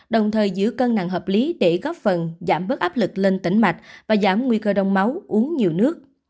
đồng thời giữ cân nặng hợp lý để góp phần giảm bớt áp lực lên tỉnh mạch và giảm nguy cơ đông máu uống nhiều nước